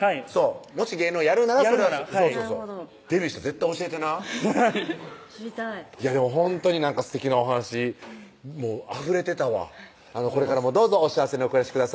もし芸能やるならやるならデビューしたら絶対教えてなはいでもほんとにすてきなお話あふれてたわこれからもどうぞお幸せにお暮らしください